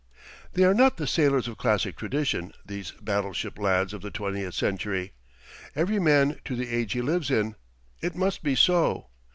They are not the sailors of classic tradition, these battleship lads of the twentieth century. Every man to the age he lives in it must be so.